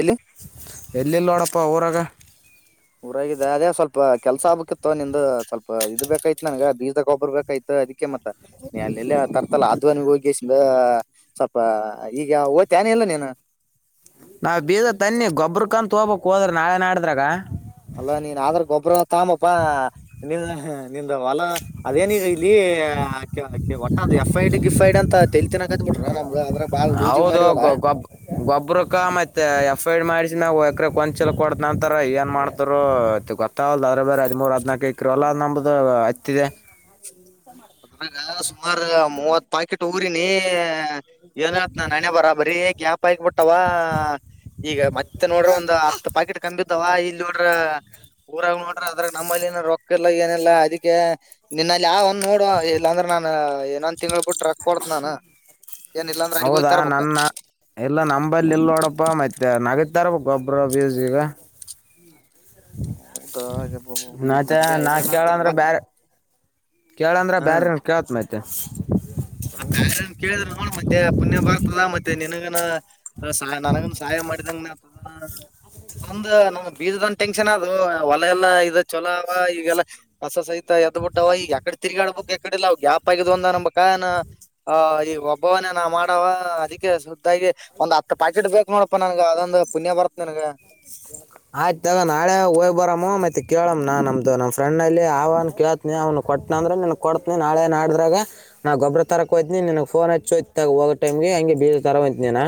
ಎಲ್ಲಿ ಎಲ್ಲಿಲ್ಲೋಡಪ್ಪ ಅವರಾಗ ಊರಾಗಿದೆ ಅದೇ ಸ್ವಲ್ಪ ಕೆಲ್ಸ ಆಗ್ಬೇಕಿತ್ತು ನಿಂದು ಸ್ವಲ್ಪ ಇದು ಬೇಕಾಯತ್ ನನ್ಗ ಬೀಜದ ಗಬ್ಬರ್ ಬೇಕಾಯ ಅದಕ್ಕೆ ಮತ್ತ ನೀ ಅಲ್ಲೆಲ್ಲ ತರ್ತಲ್ಲ ಧ್ವನಿಗೆ ಹೋಗಿದ ಸ್ವಲ್ಪ ಈಗ ಓ್ತನೆೇ ಇಲ್ಲ ನೀನು ನಾವ್ ಬೀದ ತನ್ನಿ ಗೊಬರ ಕಂತ ತ ಹೋಗಬಕ್ ಹೋದ್ರ ನಾಳೆ ನಾಡ್ದ್ರಾಗ ಗೊಬ್ರ ತಾಮಪ್ಪಾ ನಿ ನಿ ಹೊಲ ಅದೇನೀಗ ಇಲ್ಲಿ ಒಟ್ಟ ಎಫ ಐ ಡಿ ಗಿಫ ಐಡ್ ಅಂತ ತಲೆ ತೀನಕದ್ ಬಿಟ್ರ ನಮ್ ಅದ ಹೌದು ಗೊಬ್ ಗೊಬ್ಬ್ರಕ್ಕ ಮತ್ತೆ ಎಫ್ ಐ ಆರ್ ಮಾಡಿಸಿ ನಾವವು ಹ ಕೊಂಚಿಲ್ ಕೊಡದ ನಂತರ ಏನ್ ಮಾಡ್ತರು ಇ ಗೊತ್ತಾಗಲ್ಲ್ಲ ಅ್ರ ಬೇರೆ ಹದಿಮೂರ್ ಹದ್ಲ್ಕ ಇಕರು ಅಲ್ಲ ನಮ್ದು ಅ ಹತಿದೆ ಅದ್ರಾಗ ಸುಮಾರ ಮೂವತ್ ಪಾಯಕಟ್ಟ ಹೋಗ ಕೂರಿನ ಏನ್ತ್ ನನ ಹಣೆಬರ ಬರೀ ಗ್ಯಾಪ್ ಆಗಿಬ ಬಿಟ್ಟ ಅವಾ ಈಗ ಮತ್ತೆ ನೋಡ್ರೆ ಒಂದು ಹತ್ತು ಪಾಕೆಟ್ ಕಂಬಿ ವಾ ಇಲ್ಲಿ ನೋಡ್ರ ಊರಾಗ ನೋಡ್ರಿ ಅದ್ರಾಗ ನಮ್ಮಲ್ಲಿ ಏನ ರೊಕ್ಕ ಇಲ್ಲ ಏನಿಲ್ಲ ಅದಕ್ಕೆ ನಿನ್ನಲ್ಲಿ ಯಾವ ನೋಡ ಇಲ್ಲಾಂದ್ರೆ ನಾ ಇಏನೊಂದ್ ತಿಂಗ್ಳ ಬಿಟ್ಟ್ರಕ್ ಕೊಡತ ನಾನ ಏನ್ ಇಲ್ಲಾಂದ್ರ ಅಲ್ಲಿಗ್ ಹೋಗಿ ಹೌದಾ ತರ್ಬೇಕ ನನ್ನ ಎಲ್ಲ ನಂಬಲ್ಲಿ ಎಲ್ಲ ನೋಡಪ್ಪ ಮತ್ತೆ ನಗತಾರ ಗೋಬರ ಬಿಜಗ ಹೌದ ಮತ್ತೆ ನಾ ಕೇಳಂದ್ರ [unintelligible] ಬ್ಯಾರೆ ಕೇಳಂದ್ರ ಬ್ಯರೆಏರ ಕೇಳತ್ ಮತ್ತೆ ಬ್ಯಾರಏನ್ ಕೇಳಿದ್ರ ನೋಡ್ ಮತ್ತೆ ಪುಣ್ಯ ಬರ್ತದ ಮತ್ತೆ ನನ್ಗನ ಸಹಾಯ ನನಗನ್ ಸಹಾಯ ಮಾಡಿದಂಗ ನ ಅದು ನಮ್ ಬೀಜದಂದ ಟೆನ್ಷನ್ ಅದು ಹೊಲೆ ಎಲ್ಲಾ ಇದು ಚೊಲೋ ಅವ ಈಗೆಲ್ಲ ಹೊಸ ಸೈತಾ ಅದ್ ಬಿಟ್ಟ್ ಈ ಎಕಡೆ ತಿಗಾಡಬೇಕುಕ್ಕಡ ಇ ಅವವು ಗ್ಯಾಪ್ ಆಗ್ ಅನ್ಂಬಬೇಕ ಈ ಒಬ್ಬವನ್ನ ನಾ ಮಾಡ ಅದಕ್ಕೆ ಸುದ್ದಾಗಿ ಒಂದ್ ಹತ್ತು ಪ್ಯಾಕೆಟ್ ಬೇಕ ನೋ ನನ್ಗ ಅದೊಂದು ಪುಣ್ಯ ಬರ್ತ್ ನನ್ಗ ಆಯ್ತತ್ ತಗ ನಾಳೆ ಹೋಗ್ ಬರಮ್ಮ ಮತ್ತೆ ಕೇಳಮ್ಮ್ ನಾನ್ ನಮ್ದು ನಮ್ ಫ್ರೆ್ ಅಲ್ಲಿ ಅವನ್ ಕೇಳ್ತನಿ ಅವ್ನು ಕೊಟ್ಟನ ಅ್ರೆನ್ ಕೊತನಿ ನಾಳೆ ನಾಡ್ರಾಗ ನಾ ಗೊಬ್ಬರ ತರಕ್ೋ್ತನಿ ನನ್ ೋನ್ ಹಚ್ಚೋಯ್ತ ಹೋಗ ಟೈಮ್ ಹಂಗೆ ಬೀಜ ತರಂತ ನೀನಾ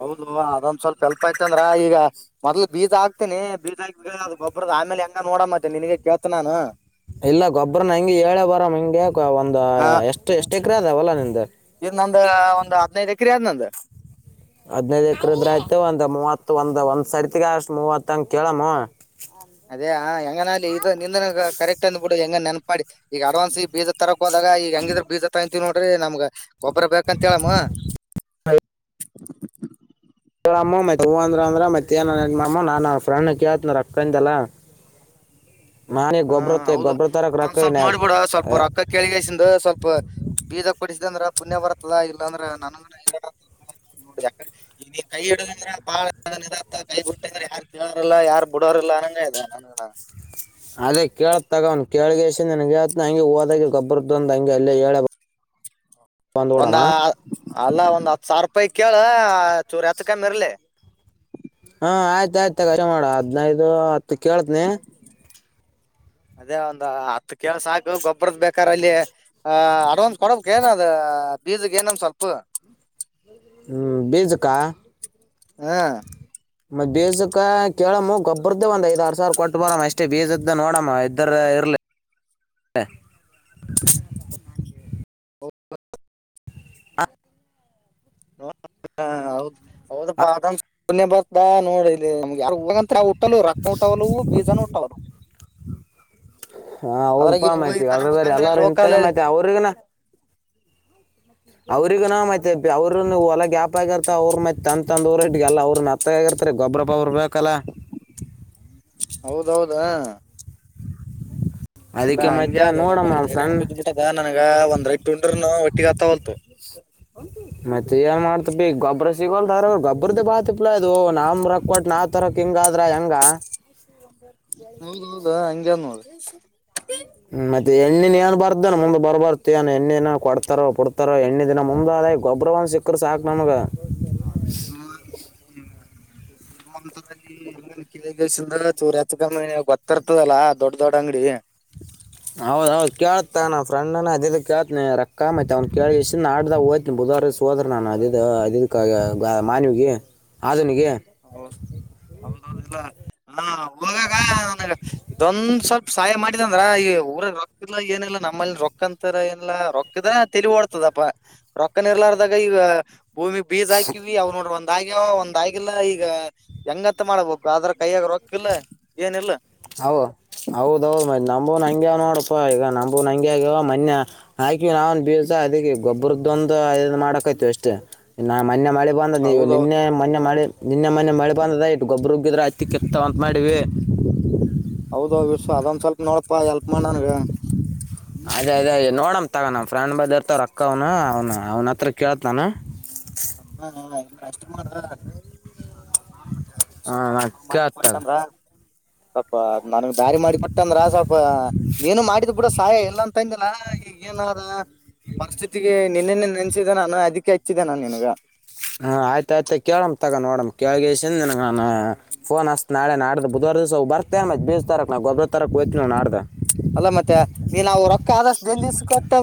ಹೌದು ಅದೊಂದ ಸ್ವಲ್ಪ ಎಲ್ಪ ಆಯ್ತಂದ್ರ ಈಗ ಮೊದ್ಲು ಬೀಜಾಕ್ತೀನಿ ಬೀದ ಆಾ ಅ ಗೊಬ್ಬರ ಆಮೇಲೆ ಹೆಂಗ ನೋಡ ಮತ್ತೆ ನನ್ಗೆ ಕೇತ ನಾನು ಇಲ್ಲ ಗೊಬ್ಬರನ ಹೆಂಗಗೆ ಏೆ ಬರ ಹಿಂಗೆ ಒಂದು ಆ ಎಷ್ಟ್ ಎಷ್ಟ್ ಎಕರೆ ಅದಾವಲ್ಲಾ ನಿಂದ್ದ ಇದ್ ನಂದ ಒಂದ್ ಹದ್ನೈದು್ ಎಕ್ರ ಆದ್ ನಂದು ಹದ್ನೈದ್ ಎಕ್ರದ್ರ ಆಯ್ತು ಒಂದ್ ಮೂವತ್ ಒಂದ್ ಒಂದ್ ಸರ್ತಿಗೆ ಅಷ್ಟ್ ಮೂವತ್ತಂಗ ಕೇಳಮ್ಮ ಅದೇ ಹೆಂಗನ ಅಲ್ಲಿ ಇದ ನಿಂದ ಕರೆಕ್ಟ್ ಅಂದ್ ಬಿಿಡು ಹೆಂಗ ನೆನಪಾಡಿ ಈಗ ಅಡ್ವಾನ್ಸ್ ಬೀಜದ ತರ ಹೋದ ಈ ಹಂಗಿದ್ರ ಬೀಜ ತಾಯಂತೀ ನೋಡಿ ನಮ್ಗ ಗೊಬ್ಬರ ಬೇಕಂತ ಹೇಳೇಳಮ್ಮ ಇ್ರಮ್ಮ ಮತ್ತೆ ಹೂವ ಅಂದ್ರ ಅಂದ್ರ ಮತ್ತ ಏನಮ್ಮ ನಾನ ಆ ಫ್ರೆಂಡ್ ಕೇತನ ರೊಕ್ಕಿಂದಲ್ಲ [inaudible] ಮ ಗೊಬ್ಬರ ಹೌದ ತರಕ್ಕೆ ಅದೊ್ ರೊಕ್ಕ ಸ್ವಲ್ಪ ಮಾಡ್ಬಿಡ ನ್ಯಾ- ಸ್ವಲ್ಪ ರೊಕ್ಕ ಕೆೇಳಿಗೈಸಿಂದ ಸ್ವಲ್ಪ ಬೀದ ಕೊಡಿಸ್ದ ಅಂದ್ರ ಪುಣ್ಯ ಬರ್ತದ ಇಲ್ಲಾಂದ್ರ ನನೋ ಯ ಕೈಡ್ರಳ ನ ಕೈ ಬಿುಟ್ಟಿದ್ರೆ ಯಾರ್ ಕೇಳೋರ್ಿಲ್ಲ ಯಾರ್ು ಬಿಡೋರ್ಲ್ಲ ಅನ್ನಂಗ ಇ ನನ ಅದೇ ಕೇಳ ತಗವ್ನ್ ಕೇಳಗೆಸ ನನ್ಗೆೇತ ಹಂಗೆ ಹೋದಾಗ ಗೊಬರದ್ದಂದ್ ಹಂಗೆ ಅಲ್ಲೇ ಹೇಳ [inaudible] ಒಂದ ಅಲ್ಲ ಒಂದ್ ಹತ್ತು ಸಾವಿರ ರೂಪಾಯಿ ಕೇಳ ಚೂರು ಹೆಚ್ಚಕಿರ್ಲಿ ಹಾ ಆಯ್ತಾಯಯ್ತುಖಷ ಮಾಡ ಹದ್ನೈದು ಹತ್ತು ಕೇೇಳತ್ನಿ ಅದೇ ಒಂದು ಹತ್ತು ಕೆೇಳ ಸಾಕು ಗೊಬ್ಬರದ ಬೇಕು ಅಲ್ಲಿ ಆ ಅಡ್ವಾನ್ಸ್ ಕೊಡ್ಬೇಕಕ್ ಏನದ ಬೀಜಗೆ ಏನಮ ಸ್ವಲ್ಪ ಬಿಜಕ ಹ್ಮ್ ಮ ಬೀಜಕ್ಕ ಕೇಳಮ್ಮ ಗೊಬ್ರದ್ದ ಒಂದ ಐದ್ ಆರ್ ಸಾವರ ಕೊಟ್ಟ ಬರಮ್ಮ ಅಷ್ಟೇ ಬೀಜದ್ದ ನೋಡಮ್ಮ ಇದ್ರ ಕೇರಳ ಹ ೌ ಹೌದ ಬರ್ತಾ ನೋಡ ಯಾರು ಹೋಗಂತ ಉಟ್ಟಲು ರೊಕ್ಕ ಉಊಟವವು ಬೀಜನ ಉಟ್ಟವಲು ಹಾ ಹೌದಪಾ ಇಲ್ಲಿ ಹೋಗಿ ಮಾ್ತಿ ಅದ್ರ ಬ ತಗೋಬೇಕಂದ್ರ ಎಲ್ಲಾರ ಲೋಕಲ್ ಇಂತದ ಅಲ್ಲಿ ಮಾಹತಿ ಅವ್ರಗನ ಅವ್ರಿಗ ನ ಮತ್ತ ಅವ್ರನು ಹೊಲ ಗ್ಯಾಪ್ ಆಗಿತ ಅವರು ಮತ್ ತಂದ ತಂದವರು ಇಗೆಲ್ಲ ಅವ್ರ ಅತ್ತ ಆಗರ್ತ ಅ ಗೊಬ ಅವರಬೇಕು ಹೌದೌದಾ ಇಲ್ಲಾ ಅದಕ್ಕೆ ಹಂಗ ಮತ್ತೆ ಯಾವ್ದದು ಬ ನೋಡಮ್ಮ ನಮ್ಮ ಬ್ ಫ್ರೆಂಡ್ ಬಿಟ್ಟದ ನನಗ ಒಂದ್ ರೈಟ್ ಉಂಡ್ರ ನ ಎಟ್ಟಿ ಕಥ ಬತ ಮತ್ತೆ ಏನ್ ಮಾಡ್ತ ಬಿ ಗೊಬ್ಬ್ರ ಸಿಗೋಲ್ದಾರ ಗಬ್ಬ್ರದ ಬಾತಿಪ್ಲಾ ಇದು ನಮ ರಕ್ವಾಟ್ಟ ನಾವ ತರಕ್ ಹಿಂಗಾದ್ರ ಹೆಂಗ ಹೌದ ಹೌದ ಹಂಗಗೆ ನೋದು ಹ್ಮ ಮತ್ತೆ ಎಣ್ಣನ್ ಏನ್ ಬರ್ದ್ದೇ ಮುಂದ್ ಬರ್ಬಾರತು ಏನ್ ಎಣ್ಣೆನ ಕೊಡ್ತಾರೋ ಪಡ್ತಾರೋ ಎಣ್ಣ ದಿನ ಮುಂದ್ ಗೌಬರವಂಶ ಹಏ ನಿಮ್ಮ್ಂಂತರಲ್ಲಿ ಕೇಳಗಸಿಂದ ಚೂಚ್ಚಕಮ್ಮ ಗೊತ್ತಿರ್ತದಲ್ಲಾ ದೊಡ್ಡ ದೊಡ್ಡ ಅಂಗಡಿ ಹೌದೌದ್ ಕೇಳತಾ ನ ಫ್ರೆಂಡ್ನ ಅದ ಕೇತನಿ ರೊಕ್ಕ ಮೈತ್ ಅವ್ನ್ ಕೇಳ ಇಷ್ಟಾಡ್ದಾಗ ಹೋ್ನಿ ಬುಧವಾರ ಹೋದ್ರ ನಾನ ಅ ಮಾನ್ವಿಗೆ ಆದುನಿಗೆ ಓ ಹೌದೌಲ್ಲ ಹ ಹದಾಗ ನನ ಇದೊಂದ ಸ್ವಲ್ಪ ಸಹಾಯ ಮಾಡಿದಂದ್ರ ಈ ಊರ ರೊಕ್ಕ ಇಲ್ಲ ಏನಿಲ್ಲ ನಮ್ಮಲ್ಲಿ ರೊಕ್ಕ ಅಂತರಏಿಲ್ಲ ರೊಕ್ಕದ ತಿಳಿ ಓಡ್ತದಪ್ಪ ರೊಕ್ಕ ನಿ ಇರ್ಲಾರ್ದಾಗ ಈಗ ಭೂಮಿ ಬೀಜ ಹಾಕಿವವಿ ಅವವು ನೋಡ್ರ ಒಂದ್ ಆ್ಯ ಒಂದ ಲ್ಲ ಈಗ ಹೆಂಗಂತ ಮಾಡ್ಬೇಕು ಅ್ರ ಕೈಯಾಗ ರೊಕ್ಕಿಲ್ಲ ಏನಿಲ್ಲ ಹೌ ಹೌದೌದ್ ಮ್ ನಂಬೂನ್ ಹಂವ್ ನೋಡಪ್ಪಾ ಈಗ ನಂಬೂನ್ ಹಂಗೆ ಆಗ್ಯವ ಮನ್ ಹಾಕಿ ನಾವನ್ ಬೀಸ ಅದ ಗೊಬ್ಬರದೊಂದು ಮಾಡಕಯ್ತು ಅಷ್ಟೇ ನಾ ಮೆ ಮಾಡಿ ಇಂದ ಹೌದೌ ನಿನ್ನೆ ಮೊನ್ನೆ ಮಾಡಿ ನಿನ್ನೆ ಮೊನೆ ಮಳೆ ಬಂದದ ಇಟ್ಟು ಗೊಬ್ಬರು ಹಗ್ಗಿದ್ರೆ ಅತ್ತಿ ಕೆತ್ತ ಅಂತ ಮಾಡವಿ ಹೌದ ವಿಶ್ವ ಅದೊಂದ್ ಸ್ವಲ್ಪ ನೋಡಪಾ ಎಲ್ಪ್ ಮಾಡ ನನ್ಗ ಅದೇ ಅದೇ ನೋಡಮ ತಗ ನಮ್ಮ ಫ್ರೆಂಡ್ ಬಂದ ಇರ್ತವ ಅಕ್ಕ ಅವನು ಅವ್ನು ಅವ್ನ ಹತ್ರ ಕೇಳತ್ ನಾನು ಹ ಇ ಅಷ್ಟ ಮಾಡ್ರ ಮತ್ತೆ ಹಾಂ ಸ್ವಲ್ಪ ನಾ ಅಕೂ ಮಾಡ್ಲಿ ಷ ಕೇಳ್ತಾಗ ಅಂದ್ರ ಸ್ವಪ ನನ್ಗ್ ದಾರಿ ಮಾಡಿ ಕೊಟ್ಟ ಅಂದ್ರ ಸ್ವಲ್ಪ ನೀನು ಮಾಡಿದ್ ಬಿೂಡ ಸಹಾಯ ಇಲ್ಲ ಅಂತ ಇಂದಿಲ್ಲಾ ಈಗ ಏನದ ಈ ಪರಿಸ್ಥಿತಿಗೆ ನಿನ್ನೆನ್ನೆ ನೆನೆಸಿದೆೆ ನಾನು ಅದಕ್ಕೆ ಹಚ್ಚಿದ್ದೆ ನಾನು ನಿನ್ಗ ಹ್ಮ ಆಯ್ತ ಆಯ್ತು ಕೇಳಮ್ ತಗ ನೋಡ ಕೇಳಗ ನ ಫೋನ್ ಹಸ್ತ್ ನಾಳೆ ನಾಡ್ದ ಬುಧವಾರ ಬತ ಮ ಬ ತರ ನವು ಗೊಬರ ತರಕ್ಯ್ತ ನಡ್ದ ಅಲ್ಲ ಮತ್ತೆ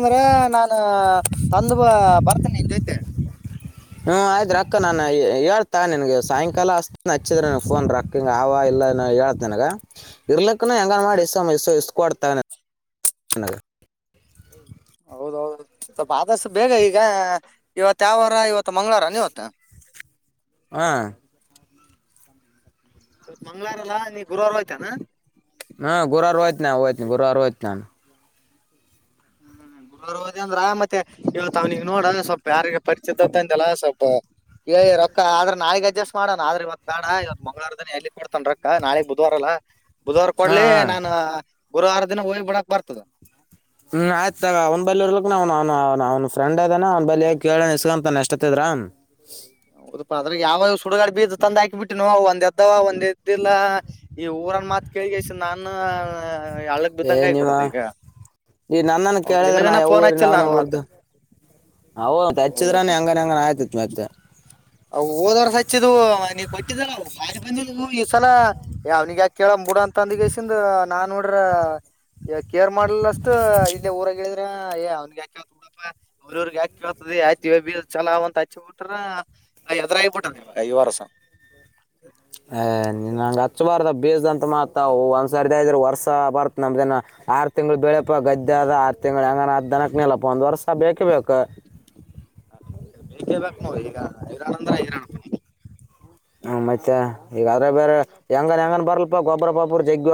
ಸರ ನಾನ ತಂದು ಬ ಬರ್ತೇನ ನಿನ್ ಜೈತೆ ಹ್ಮ ಆಯ್ರಕ್ಕ ನಾನನ್ ಹೇಳ್ತಾ ನನ್ಗೆ ಸಾಯಂಕಾಲ ಅಷ್ಟ ಹಚ್ಚಿದ್ರ ನನ್ ಫೋನ್ ರಕ್ಕ ಆ ಇಲ್ಲ ಹತನ ಇರ್ಲ ಪಕ್ಕ ಹೆಂಗನ್ ಮಾಡಿ ಇಷ್ಟ ಇಷ್ಟಕಡ್ತ ಹೌದೌದು ಸ್ವಲ್ಪ ಆದಷ್ಟು ಬೇಗ ಈಗ ಇವತ್ತು ಯಾವರ ಇವತ್ತು ಮಂಗಳವಾರನೀ ಹೊತ ಹಾ ಇವತ್ ಮಂಗ್ಗಳವಾರಲ್ಲಾ ನೀ ಗುರುವಾರ ಹೋಯ್ತಾನ ಹಾ ಗುರುವವಾರ ವಯ್ತನಯನ ಗುರುವವಾರ ವಯತ್ನಾನ ಹ್ಮ್ ದ ಅಂದ್ರ ಮತ್ತೆ ಇವತ್ತು ಅವ್ನಿಗೆ ನೋಡ ಸ್ವಲ್ಪ ಯಾರಿಗೆ ಪರಿಚಿತಂತ ಅಂತೆಲ್ಲ ಸ್ವಲ್ಪ ಏ ರೊಕ್ಕ ಆದ್ರೆ ನಾಳಗ್ ಅಡ್ಜಸ್ಟ್ ಮಾಡಣ ಆದ್ರೆ ಇವತ್ ಬೇಡ ಇವತ್ ಮಂಗಳವಾರದನ ಎಲ್ಲಿ ಕೊಡ್ತಾನ ರೊ ನಾಳಗ್ ಬುಧವಾರಲ್ಲ ಬುಧವಾರ ಹಾಂ ಕೊಡ್ಲಿ ಹಾಂ ನಾ ಗುರುವಾರ ದಿನ ಹೋಗಿ ಬಿಡಕ್ ಬರ್ತದ ಹ್ಮ್ ಆಯ್ತ ಅವ್ ಬಿ ಇರ್ಲಕ್ ಅವ್ ಅವ ಅವ್ ಫ್ರೆಂಡ್ ಅ್ನನ ಅವ್ ಬಲ್ ಕೇಳೋಣ ಇಸ್ಕೊಂತಾನ ಎಷ್ಟತ್ತದ್ರ ಅದ್ರ ಯಾವಾಗ ಸುಡುಗಾಡೆ ಬೀದ ತಂದ ಹಾಕಿ ಬಿಟ್ಟು ನ ಒಂದ ಎದ್ದವ ಒಂದ ಎದ್ದಿಲ್ಲ ಈ ಊರನ್ ಮಾತ್ ಕೇಳಿಗೆ ಪ ನಾನು ಹಳ್ಳಕ್ ಏ ಬಿದ್ದಂಗ ನಿವ ಆಗ್ಬಿಟ್ಟದ ಈಗ ನೀ ನನ್ನನ್ ಹೌದ್ ಕೇಳಿದ್ರ ನಾ ನಿನಗನ ಯಾವ ಫೋನ್ ರಿ ಹಚ್ಚಿಲ್ಲ ನಾವನು ನಾನ್ ಮತ್ ರದು ಹೌದ ಹೌದಪ್ಪ ಹೆಚ್ಚಿದ್ರಾನ ಹೆಂಗನ್ ಹೆಂಗನ್ ಆಯ್ತಿತ್ ಮತ್ತೆ ಅ ಓದವರ್ ಸ ಹಚ್ಚಿದ್ ನೀ ಕೊಟ್ಟಿದವು ಬಾರಿ ಬಂದಿದವು ಈ್ಸಲ ಯ ಅವ್ನಿಗ ಯ ಕೇಳಡ ಒ ತಂದಿಗೈಸಿಂದ ನಾನ್ ನೋಡ್ರ ಈ ಕೇರ್ ಮಾಡ್ಲಿಲ್ಲ ಅಷ್ಟು ಇಲ್ಲಿ ಊರಾಗ ಹೇಳಿದ್ರ ಏ ಅವ್ನ್ಗೆ ಯಾಕೇಳ್ತ ಬಿಡಪ್ಪಾ ಅವ್ರವ್ರಗ್ ಯಾಕಳ್ತ ಆಯ್ತಿವ ಬಿ ಚಲ್ಂತ ಹಚ್ಬ ಬಿಟ್ರ ಅ ಎತ್ರ ಆಗಬೊಟ್ಟ ಐ ವರ್ಸ ಅ್ನ ನಂಗ ಹಚ್ಚಬಾರ್ದ ಬೀಸ್ದಂತ ಮಾತ್ವು ಒಂದ್ಸರ್ದ್ರ ವರ್ಷ ಬರ್ತ್ ನಮ್ದನ ಆರು ತಿಂಗ್ಗಳು ಬೆಳೆಪಾ ಗದ್ದೆ ಆದ ಆರು ತಿಂಗಗಳು ಹೆಂಗ ಅ ದನಕ್ ನೆಲ ಪಂದು ವರ್ಷ ಬೇಕಬೇಕೇಕ ಹ ಬ ಕೇಳ್ಬೇಕಕ್ ನೋರಿ ಈಗ ಹೈರಾಣ ಅಂದ್ರೆ ಹೈರಾಣಪ್ಪಿ ಹ ಹ್ಮ್, ಮತ್ತೆ ಈಗಾದ್ರ ಬೇರೆ ಹೆಂಗನ್ ಹೆಂಗನ್ ಬರಲ್ಪ ಗೊಬ್ಬರ ಪಬ ಜಗ್ಗ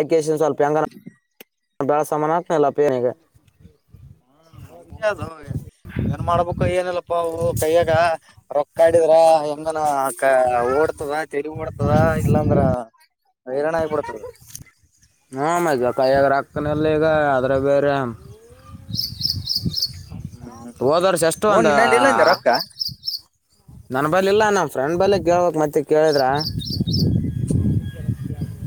ಆಕೇಶನ್ ಸ್ವಲ್ಪ ಹೆಂಗ ಹ ನ ಬಳ ಸಮಾಮಾನತ್ನೆೆಲ್ಲಪೇನಗೆ ಹಾ ಹಂಗೆ ಅದು ಏನ್ ಮಾಡ್ಬೇಕು ಏನಿಲ್ಲಪ್ಪಾ ಅವು ಕೈಯ್ಯಾಗ ರೊಕ್ಕಾಡಿದ್ರ ಇಂದನ ಓಡ್ತದ ತೆರಿ ಓಡ್ತದ ಇಲ್ಲಾಂದ್ರ ಹೈರಣರಣ ಆಗಿಬಡ್ತ ಹ ಮಜ ಕಾಯಯಗ ರಕ್ಕನಲ್ಲ ಈಗ ಆದ್ರೆ ಬೇರೆ ಹ್ಮ್ ಹೋದವ್ರ ಸಷ್ಟ ನೋಡ್ ಒಂದ ನಿನ್ನಲ್ಲಿ ಇಲ್ಲ ಅಂದೆ ರೊಕ್ಕ ನನ್ನ ಬಲ್ಲಿ ಇಲ್ಲ ನ ಫ್ರೆಂಡ್ ಬಲ್ಲ ಕೇಳ್ಬೇಕಕ್ ಮತ್ತೆ ಕೇಳಿದ್ರ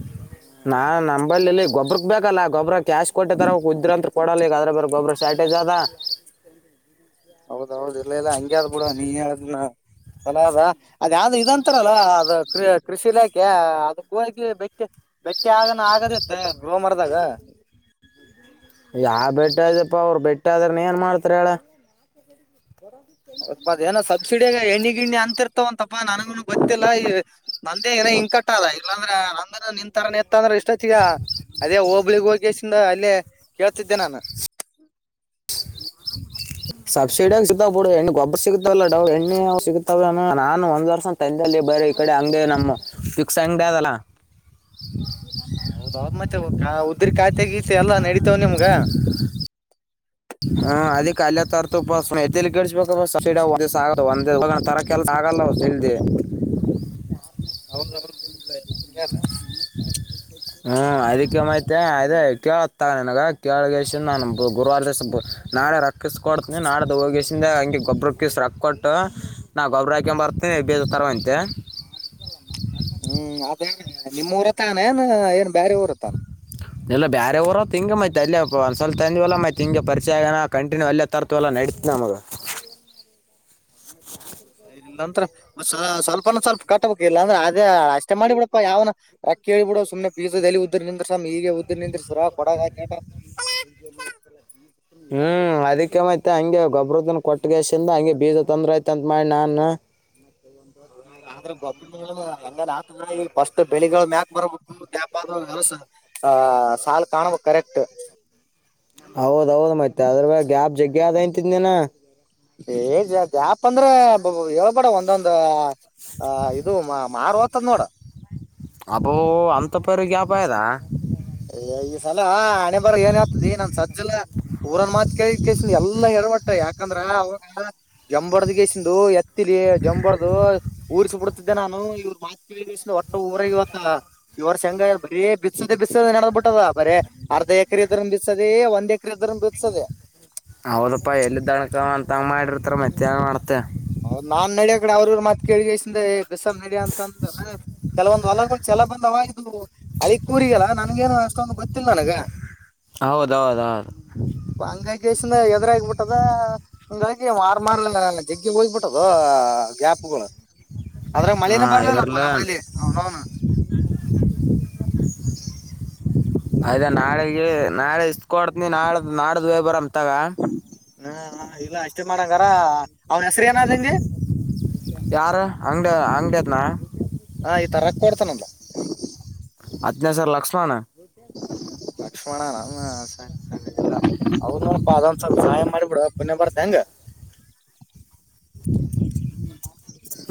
ಹ್ಮ್ ನಾನ್ ನಂಬಳ್ಳಲ್ಲಿ ಗೊಬ್ಬ್ರಕ್ ಬೇಕಲ್ಲಾ ಗೊಬ್ಬ್ರಕ್ ಕ್ಯಾಶ್ ಕೊಟ್ಟಾರ ಉುದ್ರಂತ್ ಕೊಡಲ್ಲ ಈಗ ಅದ್ರ ಬರ್ ಗೊಬ್ಬ್ರ ಶಾರ್ಟೇಜ್ ಅದ ಹೌದ್ೌದ ಇಲ್ಲ ಇಲ್ಲ ಹಂಗಗೆ ಬಿಡ ನೀನ್ ಚಲ ಅದ ಅದ ಯಾವ್ದದು ಇದಂತಾರಲ್ಲ ಅದ ಕೃ ಕೃಷಿ ಇಲಾಖೆ ಅದಕ್ಕ ಹಗಿ ಬೆಟ್ಟಿ ಬೆಟ್ಟಿ ಆಗಣ ಆಗದಿತ್ತ ಗೋ ಮರದಾಗ ಹ್ಮ್ಮ ಯಾ ಬೆಟ್ಟ ಅ್ಯಪ್ಪಾ ಅವರು ಬೆಟ್ಟ ಆದ್ರ ನೀ ಏನ್ ಮಾಡ್ತಾರ ಹೇಳ ಏನ ಸ ಸಬ್ಸಿಡಿಯ ಎಣ್ಣಿ ಗಿಣ್ಣಿ ಅಂತಿರ್ತವಂತಪ್ಪಾ ನನಗೂ ಗೊತ್ತಿಲ್ಲ ಈ ನಂದೇ ಏನ ಹಿಂ ಕಟ್ಟದ ಇಲ್ಲಾಂದ್ರೆ ಅಂಗ್ರ ನಿನ್ ತರ ನಿತ್ತ ಅಂದ್ರೆ ಇಷ್ಟತ್ತಗ ಅದೇ ಹೋಬಳಗ್ ಹೋಗಿಿಂದ ಅಲ್ಲೇ ಕೇಳ್ತಿದ್ದೆ ನಾನು ಹ ಸಬ್ಸಿಡಿಯಗ ಸಿಗ್ತವ ಬಿಡು ಹೆಣ್ಣ ಗೊಬ್ಬ ಸಿಗತಾವಲ್ಲಡ್ ಎಣ್ಣೆ ಸಿಗತಾವ ನಾನ್ ಒಂದ್ರ್ಷ ತಂದ ಬರ ಈ ಕಡೆ ಅಂಗ ನಮ್ಮ ಫಕ್ಸ್ ಆಂಗ್ಡಿಯಾಡಲ್ಲಾ [unintelligible] ಹೌದೌದ್ ಮತ್ತೆ ಉದ್ರ ಕಾಯತೆಗೀತೆ ಎಲ್ಲಾ ನಡತಾವ್ ನಿಮ್ಗ ಹಾ ಅದಿಕ್ಕೆ ಅಲ್ಲಯ ತರತುಬೇಕ [inaudible] ಲ್ಲಸಲ್ಿದೆ ಅವನ್ಲ್ಲ ಇಲ್ಲ ಹಂಗಾರ ಹ್ಮ್ ಅದಕ್ಕೆಮಐತೆ ಅದ ಕೇಳತಗ ನನಗ ಕೆಳಗಸ ನಾನು ಗುರುವಾರ ದ ನಾ ರಕ್ಕಿಸ್ಕ ಕೊಡ್ತನಿ ನಾಳೆ ಹೋಗಸೆ ಹಂಗೆ ಗೊಬ್ಬರಕ್ಕಿಸ ಟ್ರಕ್ ಕೊಟ್ಟು ನಾವು ಗೊಬರ ಹಾಕಂಬರ್ತೀನಿ ಬೇಜ ತರ್ಂತೆ ಹ್ಮ್ ಅದೇ ನಿಮ್ಮ ಊರ ತಾನ ಏನ್ ಏನ್ ಬೇರೆ ಊರ ತಾನ ಇಲ್ಲ ಬೇರೆವಊರು ತಿಂಗ ಮೈತ್ ಅಲ್ಲ ಒಂದ ಸ್ವಲ್ ತಂದ್ ಎಲ್ಲ ಮತ್ತತ್ ಹಿಂ ಪರಿಚಯ ಆಏ ಕಂಟನ್ಯೂ ಅಲ್ಲೇ ತರ್ತ ಎಲ್ಲ ನಡ ನಾಮದ ಹೌ ಇಲ್ಲಾಂದ್ರ ಸ್ವಲ್ಪನ ಸ್ವಲ್ಪ ಕಟ್ಟಬೇಕ ಇಲ್ಲ ಅಂದ್ರೆ ಅದೇ ಅಷ್ಟೇ ಮಾಡಿ ಬಿಡಪ್ಪಾ ಯಾವನ ರೊಕ್ಕಿ ಹಿ ಬಿಡ ಸುಮ್ನೆ ಪೀಸಜಲ್ಲಿ ಉದ್ದರ್ ನಿಂತ್್ರಸಾಮ್ ಈೀಗ ಉದ್ದರ್ ನಿಂದ್ರಸ್ರ ಕೊಡಗ ಹ್ಮ್ ಅದಕ್ಕೆೇಮ ಐತೆ ಹಂಗೆ ಗೊಬ್ರದ ಕೊಟ್ಟಗಸಿಂದ ಹಂಗೆ ಬೀಜ ತೊಂದ್ರ ಐತೆ ಅಂತ್ ಮಾಡಿ ನಾನ್ ಹೌ ಆದ್ರೆ ಗೊಬ್ಬರ ಎಂಗತ ಈ ಫಸ್ಟ್ ಬೆಳಿಗಳು ಮ್ಯಾಕ್ ಬರಬು ದೇಪ ಅಸ ಹ ಸಾಲು ಕಾಣಬ ಕರೆಕ್ಟ್ ಹೌದೌದು ಮತ್ತೆ ಅದ್ರ ಬ ಗ್ಯಾಪ್ ಜಗ್ಗ ಅ ಅಂತಿದ್ನನ ಏ ಜಾಪ್ ಅಂದ್ರೆ ಯಳ್ಬೇಡ ಒಂದೊಂದ ಹ ಇದು ಮಾರು ಹೋತದ್ ನೋಡ ಅಬೋ ಅಂತ ಪರು ಗ್ಯಾಪ್ ಆಯದಾ ಅಯ ಈ ಸಲ ಹಣೆ ಬರ ಏನ್ ಆಗ್ತದೆ ನನ್ ಸಜ್ಜಲ ಊರನ್ ಮಾತ್ ಕೈ ಕಸಂದು ಎಲ್ಲಾ ಹರ್ಬಟ್ಟ ಯಾಕಂದ್ರ ಅವಾಗ ಜಂಬಡದ ಕೇಸಂದು ಎ ಹತರಿ ಜಂಬರ್ದು ಊರ್ರಿಸ ಬಿಡ್ತಿದ್ದೆ ನಾನು ಇವರು ಮಾತ್ು ಕೇಳ ಒಟ್ಟ ಊರ ಇವತ್ತ ಇವ್ರ ಶಂಗ ಬರೇ ಬಿಸದೆ ಬ ಬ ನಡ ಬಿಟ್ಟದ ಬರೇ ಅರ್ಧ ಎಕರೆ ಇದ್ರ ಬಿಸದೆ ಒಂದ್ ಎಕರೆ ಇದ್ರ ಬಿಸದೆ ಹೌದಪ್ಪಾ ಎಲ್ಲಿ ದಣಕ ಅಂತಂಗ ಮಾಡಿರ್ತಾರ ಮತ್ತ್ಯಾ ಮಾಡ್ತೇ ಅವ್ ನಾನ್ ನಡಿಯ ಕಡೆ ಅವ್ರ ಮತ್ ಕೇಳಗಸ ಬಿಸಸ ನಡಿಯ ಅಂತಂದ ಕೆಲವೊಂದು ಹೊಲಲ ಎಲ್ಲ ಬಂದ ಅವದು ಅಲ್ಲಿ ಕೂರಿಯಲ್ಲಾ ನನ್ಗೇನು ಅಷ್ಟೊಂದು ಗೊತ್ತಿಲ್ಲ ನನಗ ಹೌದೌದೌದು ಅಂಗಾಯ ಕೆಸ ಇದ್ರ ಆಗಬಿಟ್ಟದ ಹಂಗಾಗಿ ಮಾರ ಮಾರಲ ಜಗ್ಗ ಹೋಗ್ಬಿಟ್ಟದ ಗ್ಯಾಪ್ಗಳು ಅದ್ರಾಗ ಮಳೇನ ಹಾಂ ಬರ್ಲಿಲ್ಲಪ್ಪ ಇದ್ರಲ್ಲ ನೇಲೆ ಅವನೌನು [inaudible] ಅಯದಾ ನಾಳೆಗೆ ನಾಳೆ ಇಷ್ಟಕ ಕೊಡ್ತನಿ ನಾಳ್ದ ನಾಡ್ದ್ ವೇ ಬರಮ ತಗ ಹಾ ಇಲ್ಲ ಮಾಡಂಗಾರ ಅವ್ನ ಹೆಸರು ಏನಾದಂಗೆ ನಾ ಹಾ ಈ ತರಕ್ ಕೊಡ್ತಾನಂದು ಅತ್ನ ಸರ್ ಲಕ್ಷ್ಮಣ ಲಕ್ಷ್ಮಣನೆ ಅ ಅದೊಂದ್ ಸ್ವಲ್ಪ ಸಹಾಯ ಮಾಡಿಬಿಡ ಪುಣ್ಯ ಬರ್ತ ಹೆಂಗ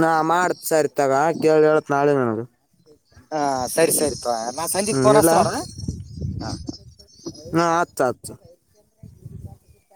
ನಾ ಮಾಡತ್ ಸರಿ ತಗ ಕೇಳಿ ಹೇಳತ್ ನಾಳೆ ನನದು ಹಾ ಸರಿ ಸರಿ ತವಾ ಹ್ಮ್ ಹೇಳಲ್ಲಾ ಹ ಆತ ಆತ [inaudible]